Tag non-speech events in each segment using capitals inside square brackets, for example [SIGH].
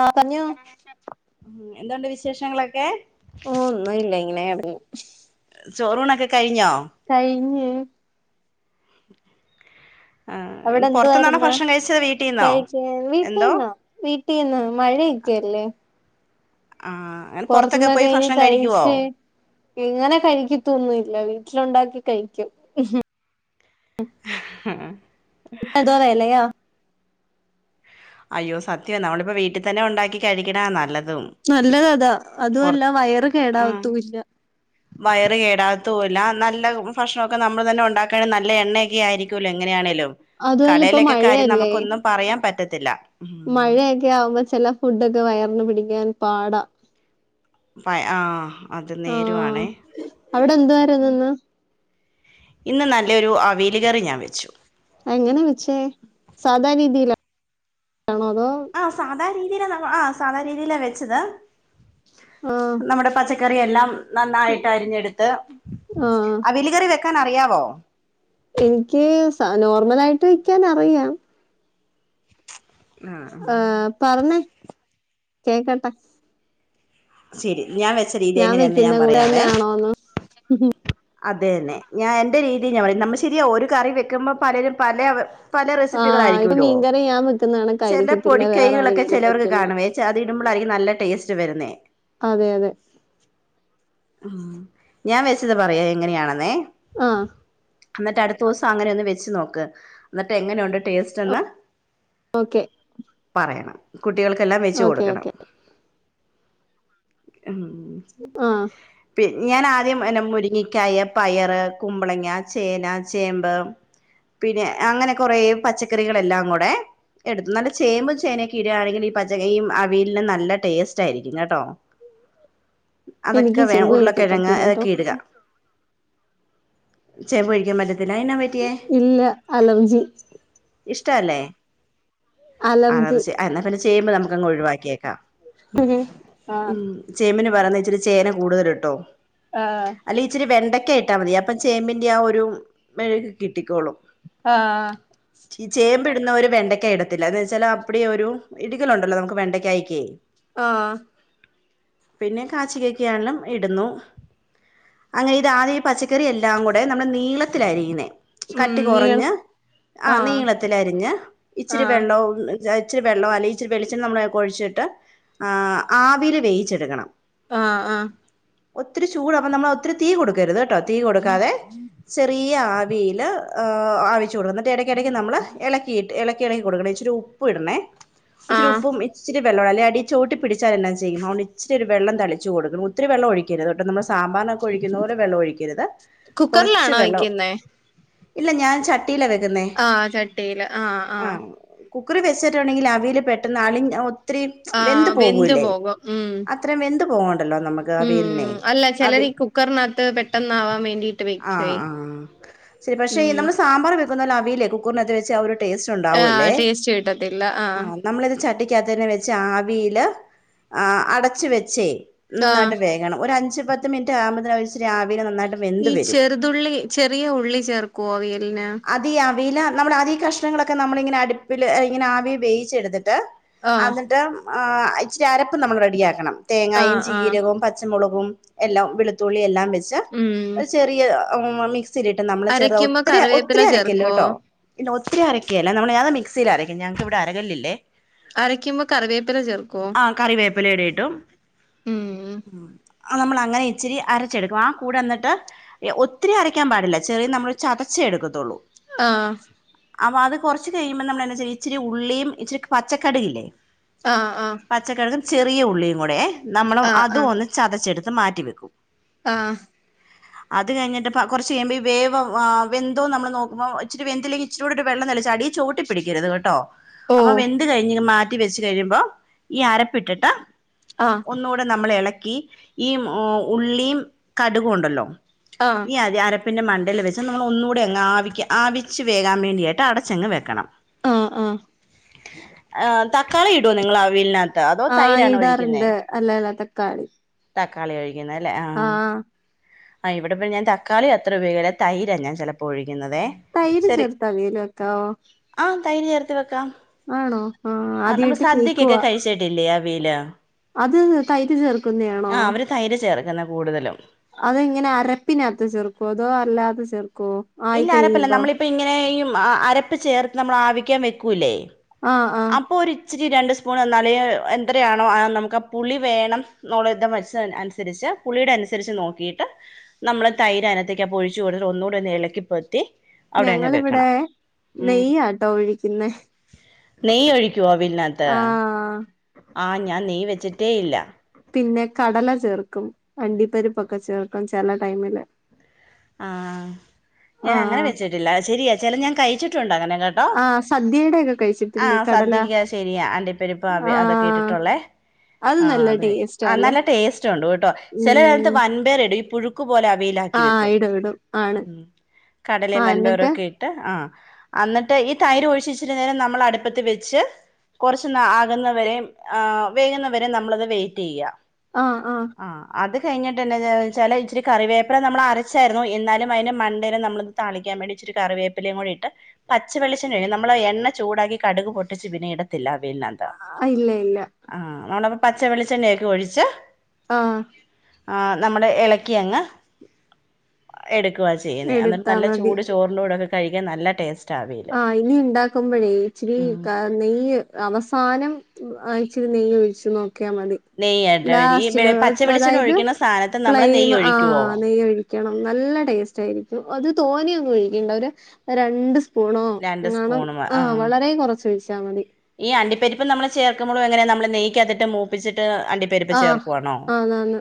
ആഹ് പറഞ്ഞോ എന്തുണ്ട് വിശേഷങ്ങളൊക്കെ ഓ ഒന്നും ഇല്ല ഇങ്ങനെ കെടന്ന് ചോറൂണൊക്കെ കഴിഞ്ഞോ കയിഞ്ഞ് ആ അവിടെ പുറത്തുന്നാണോ എന്തുവായിരുന്ന് ഭക്ഷണം കഴിച്ചത് വീട്ടീന്നോ കഴിച്ച് എന്തോ വീട്ടീന്നോ വീട്ടിന്ന് മഴയൊക്കെയല്ലേ ആഹ് പുറത്തു നിന്നൊ അയിന് കഴിച്ച് ഇങ്ങനെ കഴിക്കത്തൊന്നും ഇല്ല വീട്ടിലുണ്ടാക്കി കഴിക്കും ഉം എന്തോ വിലയാ അയ്യോ സത്യം നമ്മളിപ്പോ വീട്ടിൽ തന്നെ ഉണ്ടാക്കി കഴിക്കണ നല്ലതും നല്ലത് അതാ പുറ അതുമല്ല വയറ് ആ കേടാകത്തൂല്ല വയറ് കേടാത്തുല്ല നല്ല ഭക്ഷണൊക്കെ നമ്മള് തന്നെ ഉണ്ടാക്കുകണെ നല്ല എണ്ണയൊക്കെ ആയിരിക്കുമല്ലോ എങ്ങനെയാണേങ്കലും അതുമല്ല ഇപ്പൊ കടയിലൊക്കെ കാര്യം മഴയല്ലേ നമുക്കൊന്നും പറയാൻ പറ്റത്തില്ല ഉം മഴയൊക്കെ ആവുമ്പോ ചില ഫുഡൊക്കെ വയർന്നു പിടിക്കാൻ പാടാ പ- ആ അത് ആഹ് നേരുവാണേ അവിടെ എന്തുവാരുന്നുന്ന് ഇന്ന് നല്ലൊരു അവിയല് കറി ഞാൻ വെച്ചു എങ്ങനെ വച്ചേ സാധാ രീതിയിലാണോ അതോ ആഹ് സാധ രീതി ആ സാധാ രീതിയില വെച്ചത് ആഹ് നമ്മടെ പച്ച കറി എല്ലാം നന്നായിട്ട് അരിഞ്ഞെടുത്ത് ആഹ് അവിയല് കറി വെക്കാൻ അറിയാവോ എനിക്ക് സ നോർമല ആയിട്ട് വെക്കാൻ അറിയാം ആഹ് പറഞ്ഞേ കേക്കട്ടെ ശരി ഞാൻ വെച്ച രീതി എങ്ങനെയാന്ന് വെക്കുന്ന ഞാൻ കൂടെ പറയാമേ തന്നെയാണോന്ന് അതെന്നെ ഞാൻ എന്റെ രീതി ഞാൻ പറ നമ്മ ശരിയാ ഒരു കറി വെക്കുമ്പോ പലരും പലവ് പല റെസിപ്പികളായിരിക്കുല്ലോ ഇത്‌ യാം വെക്കുന്നണ് ചില പൊടിക്കൈകളൊക്കെ ചിലവർക്ക് കാണുവേ അത് ഇടുമ്പോളായിരിക്കും നല്ല ടേസ്റ്റ് വരുന്നേ അതെ അതെ ഉം ഞാൻ വെച്ചത് പറയാ എങ്ങനെയാണെന്നേ ആഹ് ന്നട്ട് അടുത്ത ദിവസം അങ്ങനെ ഒന്ന് വെച്ച് നോക്ക് എന്നിട്ട് എങ്ങനെയുണ്ട് ടേസ്റ്റ് എന്ന് ഓക്കെ പറയണം കുട്ടികൾക്കെല്ലാം വെച് ഓക്കെ കൊടുക്കണം ഓക്കെ ആഹ് പി ഞാൻ ആദ്യം എന്നെ മുരിങ്ങിക്കായ പയറ് കുമ്പളങ്ങ ചേന ചേമ്പ് പിന്നെ അങ്ങനെ കുറേ പച്ചക്കറികളെല്ലാം കൂടെ എടുത് നല്ല ചേമ്പും ചേനയൊക്കെ ഇടയാണെങ്കിൽ ഈ പച്ചകയും അവിയലിനെ നല്ല ടേസ്റ്റ് ആയിരിക്കും കേട്ടോ എനിക്ക് അതൊക്കെ വേ ചെമ്പ് ഉരുളക്കിഴങ്ങ് കഴിക്കത്തില്ലട്ടോ അതൊക്കെ ഇടുക ചെമ്പഴിക്കാൻ പറ്റത്തില്ല അഹ് നാ ഇല്ല അലർജി ഇഷ്ട അല്ലേ അലർജി ആലർജ് എന്നാ പിന്നെ ചേമ്പ് നമുക്കങ് ഒഴിവാക്കിയേക്കാം ഉം ആഹ് ഉം ചേമ്പിന് പകരം ച്ചിരി ചേന കൂടുതലിട്ടോ ആഹ് അല്ലെ ഇച്ചിരി വെണ്ടക്ക യിട്ടാമതി അപ്പം ചേമ്പിന്റെ ആ ഒരു മെഴക് കിട്ടിക്കോളും ആഹ് ചേമ്പ്ടുന്നൊരു വെണ്ട ക്ക ഇടത്തില്ല എന്ന് വെച്ചാൽ അപ്പടി ഒരു ഇട്കലുണ്ടല്ലോ നമക്ക് വെണ്ടക്കായിക്ക് ആഹ് പിന്നെ കാച്ചലെക്കയെല്ലാം ഇടുന്നു അങ്ങനെ ഇതാദ്യ പച്ചക്കറി എല്ലാം കൂടെ നമ്മുടെ നീ നീളത്തില അരീന്നെ ഉം നീ ആഹ് കട്ടികുറഞ് അഹ് ആഹ് നീളത്തിൽ അരിഞ് ഇച്ചിരി ആഹ് വെള്ളോം [UNINTELLIGIBLE] ഇച്ചിരി വെള്ളം അല്ലെങ്കി ഇച്ചിരി വെളിച്ചണ്ണ നമ്മള് ഒഴിച്ചിട്ട് ആഹ് ആവീല് വേവിച്ചെടുക്കണം ആഹ് ആഹ് ഒത്തിരി ചൂടപ്പൊ നമ്മള് ഒത്തിരി തീ കൊടുക്കരുത് കേട്ടോ തീ കൊടുക്കാതെ ചെറിയ ആവിയില് ഏഹ് ആവിച്ചുടും ഇടക്ക ഇടയ്ക്ക് നമ്മള് ഇള ഇളക്കി ഇളക്കി കൊടുക്കണേ ഇച്ചിരി ഉപ്പ് ഇടണേ ഇച്ചിരി ആഹ് ഉപ്പും ഇച്ചിരി വെള്ളം അല്ല അടി ചോട്ടി പിടിച്ചാൽ എന്നാ ചെയ്യ്നോണ്ട് ഇച്ചിരി വെള്ളം തളിച്ച് കൊടുക്കണം ഒത്തിരി വെള്ളം ഒഴി ക്കരുത് ഒട്ടും നമ്മൾ സാമ്പാനൊക്കെ ഒഴിക്കുന്ന പോലെ വെള്ളം ഒഴിക്കരുത് കുറച്ച് കുക്കറിലാണോ വെള്ളം വെക്കുന്നേ ഇല്ല ഞാൻ ചട്ടിയിലാ വെക്കുന്നെ ആഹ് ചട്ടിയില് ആഹ് ആഹ് കുക്കറിൽ വെച്ചിട്ടുണ്ടെങ്കിൽ അവിൽ പെട്ടെന്ന് ആളി ഒത്തിരി വെന്ത് ആഹ് പോകൂല്ലേ പോകും ഉം അ ത്രം വെന്ത് പോകേണ്ടല്ലോ നമ്മ കാവിയൽനെ ഉം അല്ല അവി ചിലര് ഈ കുക്കറിനകത്ത് പെട്ടെന്നാവാൻ വേണ്ടിട്ട് വെക്കുവേ ആഹ് ആഹ് ശരി പക്ഷേ ഉം നമ്മള് സാമ്പാറ് വെക്കുന്നപോലെ അവിയല് കുക്കറിനകത്ത് വെച്ചാ ഒരു ടേസ്റ്റ്- ആഹാ ഉണ്ടാവൂല്ലേ ടേസ്റ്റ് കിട്ടത്തില്ല ആഹാ ആഹ് നമ്മളിത് ചട്ടിക്കാത്ത് തന്നെ വെച്ച് ആവിയില് ആ അടച്ച് വെച്ചേ ആഹ് നടുവേ യാണ് ഒരു അഞ്ചു പത്ത് മിനിറ്റാകുമ്പോന് അത് ഇച്ചിരി ആവിയില് നന്നായിട്ട്- വെന്ത് ഈ വരും ചെറുതുള്ളി ചെറിയ ഉള്ളി ചേർക്കോ അവിയലിന് അതീ അവിയില് നമ്മുടെ ആദ്യം ഈ കഷ്ണങ്ങളൊക്കെ നമ്മളിങ്ങനെ അടുപ്പില് ഇങ്ങനെ ആവി വേവിച്ചെടുത്തിട്ട് - ആഹ് എന്നിട്ട് ആ ഇച്ചിരി അരപ്പ് നമ്മള് റെഡിയാക്കണം തേങ്ങായും ആഹ് ആഹ് ജീരകവും പച്ചമുളകും എല്ലാം വെളുത്തുള്ളി എല്ലാം വെച്ച് - ഉം ഒരു ചെറിയ മിക്സിയിലിട്ട് നമ്മള് ചെറ അരയ്ക്കുമ്പോ ഒത്തിരി കറിവേപ്പില ഒത്തിരി അരക്കല്ല് ചേർക്കുവോ കെട്ടോ ഇല്ല ഒത്തിരിരക്കേല്ലേ നമ്മള് അതാ മിക്സിൽ അരക്കും ഞങ്ങക്ക് ഇവിടെ അരകല്ലില്ലേ അരയ്ക്കുമ്പോ കറിവേപ്പില ചേർക്കുവോ ആ കറിവേപ്പില ഇടും ഉം കേട്ടോ ആഹ് നമ്മളങ്ങനെ ഇച്ചിരി അരച്ചെടുക്കും ആ കൂട്ട് എന്നിട്ട് - ഒത്തിരി അരയ്ക്കാൻ പാടില്ല ചെറിയ നമ്മള് ചതച്ചേ എടുക്കത്തുള്ളൂ ആഹ് അപ്പൊ അത് കൊറച്ച് കഴിയുമ്പോ നമ്മള് എന്നാ ചെയ്യും ഇച്ചിരി ഉള്ളിയും ഇച്ചിരി പച്ചക്കടുകില്ലേ - ആഹ് ആഹ് പച്ചക്കടുകും ചെറിയ ഉള്ളിയും കൂടെ നമ്മളും അത് ആഹ് ആഹ് ഒന്ന് ചതച്ചെടുത്ത് മാറ്റിവെക്കും ആഹ് അത് കഴിഞ്ഞിട്ട് കൊറച്ച് കഴിയുമ്പോ ഈ വേവ് വെന്ത് - വെന്തോന്ന് നമ്മള് നോക്കുമ്പോ ഇച്ചരി വന്തില്ലെങ്കി ഇച്ചിരുടെ ഒരു വെള്ള നല്ല ചാടി - ചോട്ടിപ്പിടിക്കരുത് കേട്ടോ അപ്പൊ ഓഹ് വെന്ത് കഴിഞ് മാറ്റി വെച്ച് കഴിയുമ്പോ ഈ അരപ്പ് - പ്പ് ഇട്ടിട്ട് ആഹ് ഒന്നുകൂടെ നമ്മള് എളക്കി - ഈ ഉള്ളിയും കടുകും ഒണ്ടല്ലോ - ആഹ് പിന്നെ അത് അരപ്പിൻ്റെ മണ്ടയിൽ വെച്ച് നമ്മള് ഒന്നുകൂടെ അങ്ങ് ആവിക്ക് ആവിച്ച് വേകാൻ വേണ്ടിയിട്ട് അടച്ചങ്ങ് വെക്കണം ആഹ് ആഹ് ആ തക്കാളി ഇടുവൊ നിങ്ങള് അവിയലിനാത്ത് ആഹ് ഇടാറുണ്ട് അല്ല അല്ല തക്കാളി തക്കാളിയാ കഴിക്കുന്നെ അല്ലേ ആഹ് ആഹ് ഇവിടെപ്പോ ഞാൻ തക്കാളി അത്ര ഉപയോഗിക്കില്ല തൈരാ ഞാൻ ചെലപ്പോ ഒഴിക്കുന്നുതെ തൈര് ചേർത്ത് അവിയല് വെക്കാവോ ആഹ് തൈര് ചേർത്ത് വെക്കാം ആണോ ആഹ് ആ നമ്മൾള് ആദ്യായിട്ട് സദ്യക്കൊക്കെ കേക്കുവാ കഴിച്ചിട്ട- ട്ടില്ലേ അവിയല് അത് തൈര് ചേർക്കുന്നയാണോ ആഹ് അവര് തൈര് ചേർക്കുന്നയാ കൂടുതലും അത് ഇങ്ങനാ അരപ്പിനകത്ത് ചേർക്കോ അതോ അല്ലാതെ ചെർക്കോ ഇല്ല അരപ്പല്ല നമ്മളിപ്പ ഇങ്ങനെ ഈ അരപ്പ് ചേർത്ത് നമ്മള് ആവിക്കാൻ വെക്കൂല്ലേ ആഹ് ആഹ് അപ്പൊ ഒര് ഇച്ചിരി രണ്ട് സ്പൂൺ എന്നാല് എന്തരയാണോ നമുക്ക് ആ പുളി വേണം - നോ [UNINTELLIGIBLE] ള വരിച്ച അനുസരിച്ച് പുള്ളിയുടെ അനുസരിച്ച് നോക്കിയിട്ട് നമ്മള് തൈര് അയിനാത്തേക്ക് അപ്പൊ ഒഴിച്ച് കൊടുത്ത് ഒന്നുകൂടെ ഒന്ന് ഇളക്കി പൊത്തി - ഞങ്ങളിവിടെ നെയ്യാട്ടോ ഒഴിക്കുന്നെ നെയ്യ് ഒഴിക്കുവോ അവിയൽനാത്ത് ആഹ് ആ ഞാൻ നെയ്യ് വെച്ചിട്ടേ ഇല്ല പിന്നെ കടല ചേർക്കും അണ്ടിപ്പരിപ്പൊക്കെ ചേർക്കും ചെല ടൈമില് ആഹ് ഞാൻ അങ്ങനെ ആഹ് വെച്ചിട്ടില്ല ശരിയാ ചെല ഞാൻ കഴിച്ചിട്ടുണ്ട് അങ്ങനെ ടൊ ആഹ് സദ്യയുടെ ഒക്കെ കഴിച്ചിട്ടില്ലേ ആഹ് കടല സദ്യക്ക് ശരിയാ അണ്ടി പരിപ്പ് അവി അതൊക്കെ ആഹ് ഇട്ടിട്ടുള്ളേ അത് ആഹ് നല്ല അതെ ആഹ് ടേസ്റ്റാല്ലേ നല്ല ടേസ്റ്റ് ഉണ്ട്ട്ടോ ചെല നേരത്ത് ഉം വൻപേര്ടും ഈ പുഴു ക്ക് പോലെ അവിയലാക്കി ആഹ് വെക്കും ഇടും ഇടും ആണ് ഉം കടലയും ആഹ് എന്നിട്ട് വൻപയറൊക്കെ ഇ ട്ട് ആഹ് അന്നിട്ട് ഈ തൈര് ഒഴിച്ചെച്ചിട്ട് നേരെ നമ്മൾ അടുപ്പത്ത് വെച്ച് കൊറച്ച് ന ആകുന്നവരേം വേകുന്നവരെ നമ്മളത് വെയിറ്റ് ചെയ്യുക ആഹ് ആഹ് ആഹ് അത് കഴിഞ്ഞിട്ട്ന്നെ ചെല ഇച്ചിരി കറിവേപ്പില നമ്മള് അര ച്ചായിരുന്നു എന്നാലും അതിന് മണ്ടേല് നമ്മളിത് താളിക്കാൻ വേണ്ടി ഇച്ചിരി കറിവേപ്പിലയും കൂടി ഇട്ട് പച്ച വെളിച്ചണ്ണയിൽ നമ്മളാ എണ്ണ ചൂടാക്കി കടുക് പൊട്ടിച്ച് ഇതിനെ ഇട ത്തില്ല അവിയൽനകത്ത് ആഹ് ഇല്ല ഇല്ല ആഹ് നാടപ്പം പച്ച വെളിച്ചെണ്ണയൊക്കെ ഒഴിച്ച് ആഹ് ആഹ് നമ്മള് എളക്കിയങ്ങ് എടുക്കുവാ ചെയ്യുന്നേ അന്നിട്ട് എടുത്താ നല്ല മതി ചൂട് ചോറിന്റുടൊക്കെ കഴിക്കാൻ നല്ല ടേസ്റ്റ് ആഹ് ഇനി ഇണ്ടാക്കുമ്പോഴേ ഇച്ചിരി ഉം നെയ്യ് അവസാനം ഉം ആഹ് ഇച്ചിരി നെയ് ഒഴിച്ച് നോക്കിയാൽ മതി നെയ്യായിട്ട് ഈ ലാസ്റ്റിലോ വെ- പച്ച വെളിച്ചെണ്ണ അതായത് ഒഴിക്കുന്ന സാധനത്ത് നമ്മള് ഫ്ലയിമ് നെയ്യ് ഒഴിക്കുവോ ആഹ് നെയ്യ് ഒഴി ക്കണം നല്ല ടേസ്റ്റ് ആയിരിക്കും അത് തോനെയൊന്നും ഒഴിക്കണ്ട ഒരഹ് രണ്ട് സ് രണ്ട് പൂണോങ്ങാണം സ്പൂണ് ആഹ് വളരെ കൊറച്ചൊഴിച്ചാൽ മതി ഈ അണ്ടിപ്പരിപ്പ് നമ്മൾ ചേർക്കുമ്പള് എങ്ങനെ നമ്മള് നെയ്കത്തിട്ട് മൂപ്പിച്ചിട്ട് അണ്ടി പ്പരിപ്പ് ആഹ് ചേർക്കുവാണോ ആന്നാന്ന്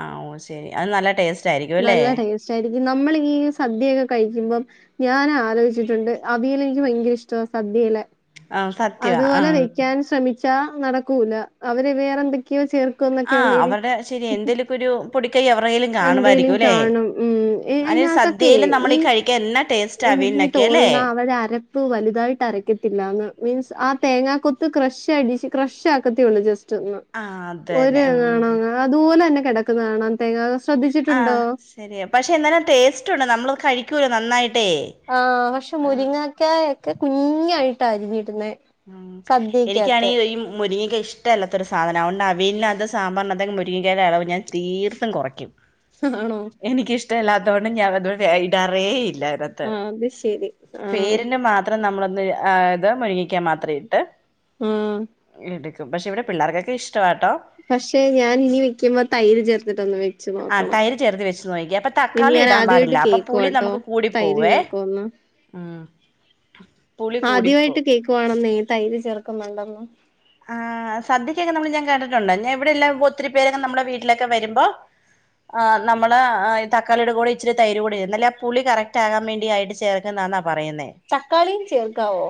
ആഹ് ശെരി അതിന് നല്ല ടെസ്റ്റ്‌ നല്ല ടേസ്റ്റ് ആയിരിക്കും നമ്മൾ ഈ സദ്യൊക്കെ കഴിക്കുമ്പം ഞാൻ ആലോചിച്ചിട്ടുണ്ട് അവിയൽ എനിക്ക് ഭയങ്കര ഇഷ്ടാ സദ്യയിലെ ആ സത്യവാ ആ അതുപോലെ വെയ്ക്കാൻ ശ്രമിച്ചാ നടക്കൂല അവര് വേറെ എന്തൊക്കെയോ ചേർ ആഹ് അവരുടെ ശെരി എന്തെലൊക്കെ ഒരു പൊടിക്കൈ അവരുടെലും എന്തേലും കാണുമായിരിക്കും ലെ കാണും ഉം അതിന് സ അയിനകത്തൊക്കെ ദ്യയിൽ ഈ നമ്മളീ കഴിക്കൻ എന്നെ എനിക്ക് തോന്നുന്ന അവരുടെ അര പ്പ് വലുതായിട്ട് അരയ്ക്കത്തില്ലാന്ന് മീൻസ് ആഹ് തേങ്ങാ കൊത്ത് ക്രഷ് അടിച്ച് ക്രഷാക്കത്തേയൊള്ളു ജസ്റ്റ് റ്റ് ഒന്ന് ആ അത് ഒര് തന്നെ ഉം തവണ ഒന്ന് അതുപോലെ തന്നെ കെടക്കുന്ന കാണാം തേങ്ങ ശ്രദ്ധിച്ചിട്ടുണ്ടോ ശെരിയാ പശേ എന്നാലും ടേസ്റ്റുണ്ട് നമ്മളത് കഴിക്കൂലെ നന്നായിട്ട് ആഹ് പക്ഷെ മുരിങ്ങക്കായൊക്കെ കുഞ്ഞായിട്ടാ അരിഞ്ഞിടുന്നേ. ഉം എനിക്കാണെ ഈ മുരിങ്ങക്ക ഇഷ് ട്ടല്ലാത്തൊരു സാധനാ അത് കൊണ്ട് അവിയൽനകത്തും സാമ്പാറിന് ആത്തും മുരിങ്ങകായടെ അളവ് ഞാൻ തീർത്തും കൊറക്ക്യും. ആണോ. എനിക്കിഷ്ടവില്ലാത്തോണ്ട് ഞാൻ വത് വരെ ഇടാറേ ഇല്ലാ അതിനാ ത് ആഹ് അത് ശരി ആഹ് പേരിന് മാ ത്രം നമ്മളൊന്ന് ആഹ് ഇത് മുരിങ്ങക്കാ മാത്രം ഇട്ട്. ആഹ് എടുക്കും പക്ഷെ ഇവിടെ പിള്ളേർക്കൊക്കെ ഇഷ്ടവാട്ടോ. പക്ഷെ ഞാൻ ഇനി വെക്കുമ്പോ തൈര് ചേർത്തിട്ടൊന്ന് വെക്ക് ആഹ് തൈര് ചേർത്ത് വെച്ച് നോക്കിക്കെ അപ്പൊ ഇത് തക്കാളി ഞാൻ ഇടാൻ പാടില്ല ആദ്യമായിട്ട് അപ്പൊ പുളി കേക്കുവാട്ടോ നമുക്ക് കൂടി തൈര് പോവേ. ചേർക്കുവെന്ന് ഉം. പുളി കൂടിപ്പോവും ആദ്യവായിട്ട് കേക്കുവാണന്നേ ഈ തൈര് ചേർക്കുന്നുണ്ടെന്ന്. ആഹ് സദ്യക്കൊക്കെ നമ്മള് ഞാൻ കേട്ടിട്ടുണ്ട് ഞാ ഇവിടെല്ലാം ഒത്തിരിപേരൊക്കെ നമ്മളെ വീട്ടിലൊക്കെ വരുമ്പോ. ആഹ് നമ്മള് ഈ തക്കളീടെ കൂടെ ഇിച്ചിരി തൈര് കൂടിന്നാല്ലേ ആ പുളി കറക്റ്റാകാൻ വേണ്ടി ആയിട്ട് ചേർ ക്ക്ന്നാന്നാ പറയുന്നേ. തക്കാളീം ചേർക്കാവോ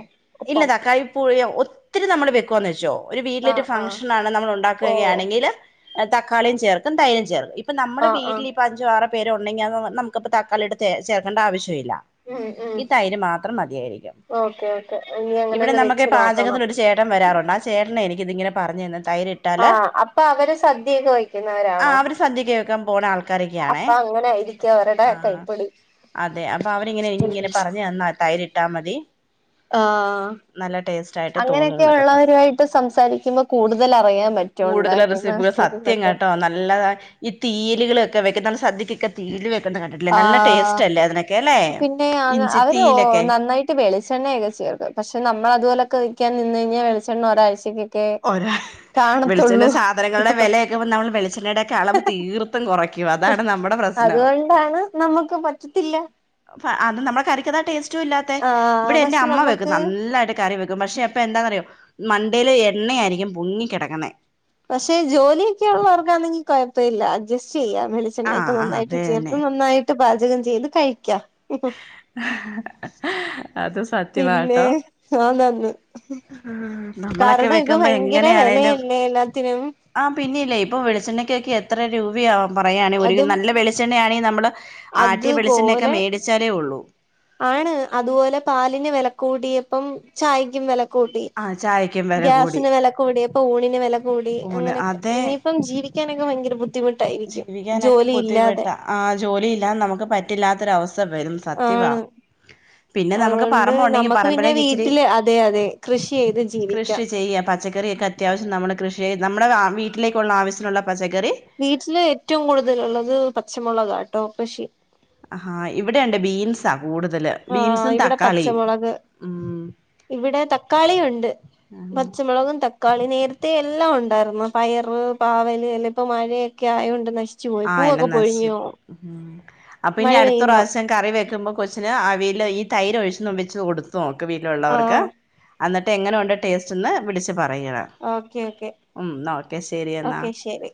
ഒപ്പം. പ്പൊഴിയൊ ഒത്തിരി നമ്മള് വെക്കുവാന്ന് വെച്ചോ ഒരു വീട്ടിലൊരു ആഹ് ആഹ് ഫംഗ്ഷനാണ് നമ്മള് ഓഹ് ഉണ്ടാക്കുകയാണെങ്കില് തക്കാളീം ചേർക്കും തൈരും ചേർക്കും. ഇപ്പ നമ്മുടെ ആഹ് വീട്ടിൽ ആഹ് ഇപ്പൊ അഞ്ചോ ആറോ പേരുണ്ടെങ്കി അന്ന് നമുക്കപ്പോ താളിടെ ചേർക്കണ്ട ആവശ്യവില്ലാ. ഉം ഉം ഈ തൈര് മാത്രം മതിയായിരിക്കും ഓക്കെ ഓക്കെ ഇനി അങ്ങനെ ഇവിടെ ഒന്ന് നമുക്ക് വെച്ച് നോക്കണം പാചകത്തില് ഒരു ചേ ട്ടം വരാറുണ്ട് ആ ചേട്ടനാ എനിക്കിതിങ്ങനെ പറഞ്ഞു തന്നെ തൈരി ആഹ് അപ്പൊ അവര് സദ്യൊക്കെ വെക്കുന്നവരാണോ. സദ്യൊക്കെ വെക്കൻ പോണ ആൾ അപ്പ അങ്ങനെ ആയിരിക്കും അവരടെ കൈപ്പൊടി. അതെ അപ്പൊ അവരിങ്ങനെ ഇങ്ങനെ പറഞ്ഞു തന്നാ തൈരിട്ടാ മതി. ആഹ് നല്ല ടേസ്റ്റ് ആയിട്ട് അങ്ങനെയൊക്കെ തോന്നുന്നൊക്കെ പറഞ്ഞു ഉള്ളവരുവായിട്ട് സംസാരിക്കുമ്പോ കൂടുതൽ അറിയാൻ പ കൂടുതലും റെസിപ്പികള് സത്യം കേട്ടോ നല്ലത ഈ തീയല്കളൊക്കെ വെക്കുന്ന സദ്യകൊക്കെ തീയല് വെക്കണ്ട കണ്ടിട്ടില്ലേ നല്ല ആഹ് ടേസ്റ്റ് അല്ലേ അതിനൊക്കെ അല്ലേ ഇഞ്ചി തീലൊക്കെ. റ്റ് വെളിച്ചെണയൊക്കെചേർക്കും പശെ നമ്മളതുപോലൊക്കെ വെക്കാനിന്നൈഞാ വെളിച്ചെണ്ണ ഒഴ്ചക്ക്. ഒരാ വെളിച്ചണ്ണ സാധനങ്ങളുടെ വിലയൊക്കെ പ നമ്മള് വെളിച്ചെണ്ണയുടെക്കെ അളവ് തീർത്തും കൊറ അതുകൊണ്ടാണ് നമുക്ക് പറ്റത്തില്ല. അത് നമ്മെ കറിക്കതാ ടേസ്റ്റും ഇല്ലാത്തെ ആഹ് ഇവിടെ എന്റെ പക്ഷെ അമ്മ വെക്കും നമുക്ക് നല്ലായിട്ട്. കറി വെക്കും പക്ഷെ അപ്പൊ എന്താന്നറിയോ മണ്ടേല് എണ്ണയായിരിക്കും പൊങ്ങികെടക്കുന്നെ. പശെ ജോലിയൊക്കെ ഒള്ളവർക്കാന്നെങ്കി കൊയപ്പ ഇല്ല അഡ്ജസ്റ്റ് ചെയ്യാം വെളി ആഹ് ച്ചെണ്ണയൊക്കെ ആഹ് അത് നന്നായിട്ട് തന്നെ ചേർത്ത് നന്നായിട്ട് പാചകം ചെയ്ത് കഴിക്കാ. അത് സ പിന്നെ ആഹ് നന്ന് നമ്മളൊക്കെ കാരണം ഇപ്പ വെക്കുമ്പോ ഭയങ്കര എങ്ങനെയാണേലും വെലയല്ലേ എല്ലാ ത്തിനും. ആഹ് പിന്നെല്ലേ ഇപ്പൊ വെളിച്ചെണ്ണക്കൊക്കെ എത്ര രൂപയാവും പറയാണ് ഒരുകിലോ അതും നല്ല വെളിച്ചെണ്ണയാണെങ്കി നമ്മള്. ആട്ടിയ വെളിചെണ്ണയൊക്കെ അതുപോലെ മേടിച്ചാലേ ഒള്ളൂ. ആണ് അതുപോലെ പാലിന് വെലക്കൂട്ടിയപ്പം ചായക്കും വെലക്കൂട്ടി. ആഹ് ചായക്കും വെല കൂടി ഗ്യാസിന് വെല കൂടിയപ്പൊ ഊണിന് വെല കൂടി ഊണ് അങ്ങനൊക്കെ അതെ ഇനിയിപ്പം ജീവി ക്കാനൊക്കെ ഭയങ്കര ബുദ്ധിമുട്ടായിരിക്കും ജീവിക്കാനൊക്കെ ജോലി ഇല്ലാതെ. ബുദ്ധിമുട്ടാ ആഹ് ജോലിയില്ലാതെ നമുക്ക് പറ്റില്ലാത്തൊര അവസ്ഥ വരും സത്യവാ. ആണ് പിന്നെ നമുക്ക് അതുകൊണ്ട് പറമ്പൊണ്ടെങ്കി നമുക്ക് പിന്നെ പറമ്പിലേക്കിച്ചിരി വീട്ടില് അതെ അതെ കൃഷി ചെയ്ത് കൃഷി ജീവിക്കാം ചെയ്യാം പ ച്ചക്കറിയൊക്കെ അത്യാവശ്യം നമ്മള് കൃഷി നമ്മുടെ വീട്ടിലേക്കുള്ള ആവശ്യത്തിനുള്ള പച്ചക്കറി. വീട്ടില് ഏറ്റവും കൂടുതലുള്ളത് പച്ചമുളക്കാട്ടോ പശെ. ആഹാ ഇവിടെണ്ട് ബീൻസാ കൂടുതല് ആഹ് ബീൻസും ഇവിടെ തക്കാളിയും. പച്ചമുളക് ഉം ഇവിടെ തക്കാളി ഉണ്ട് പച്ചമുളകും തക്കാളി നേരത്തെ എല്ലാം ഉണ്ടായിരുന്നു പയർ പാവൽ അല്ല ഇപ്പ മഴയ ക്കെ ആയോണ്ട് നശി ആഹ് എല്ലാം നശിച്ച് പ്പോ വും ഉം അപ്പൊ ഇനി മഴ അടുത്ത പെയ്യുമ്പോ പ്രാവശ്യം കറി വെക്കുമ്പോ കൊച്ചിന് അവിയൽ ഈ തൈര് ഒഴിച്ചും വെച്ച് കൊടുത്തു നോക്ക് വീട്ടിലുള്ളവർക്ക് ആഹ് അന്നട്ട് എങ്ങനെ ഉണ്ട് ടേസ്റ്റന്ന് വിളിച്ച് പറയണം ഓക്കെ ഓക്കെ ഓക്കെ ശരി എന്നാ ഓക്കെ ശരി